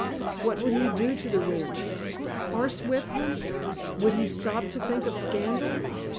What would he do to the wretch? Horsewhip him? Would he stop to think of scandal?